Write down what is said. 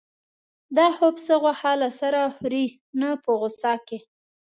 دا خو پسه غوښه له سره خوري نه په غوسه کې.